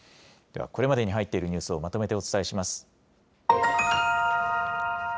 では、これまでに入っているニュースをまとめてお伝えします。